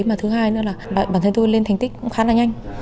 mà thứ hai nữa là bản thân tôi lên thành tích cũng khá là nhanh